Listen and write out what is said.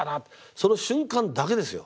その瞬間だけですよ